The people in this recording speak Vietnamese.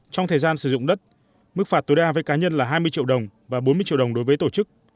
trong thời gian sử dụng đất mức phạt tối đa với cá nhân là hai mươi triệu đồng và bốn mươi triệu đồng đối với tổ chức